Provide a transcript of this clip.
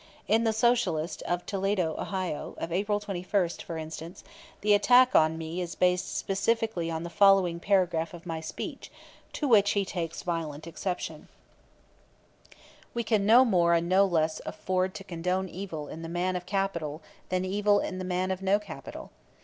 In The Socialist, of Toledo, Ohio, of April 21st, for instance, the attack [on me] is based specifically on the following paragraph of my speech, to which he takes violent exception: "We can no more and no less afford to condone evil in the man of capital than evil in the man of no capital.